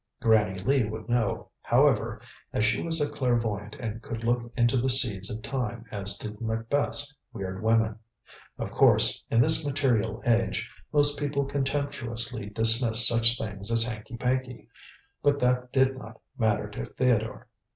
Granny Lee would know, however, as she was a clairvoyant and could look into the seeds of Time as did Macbeth's weird women. Of course, in this material age, most people contemptuously dismiss such things as hanky panky, but that did not matter to Theodore.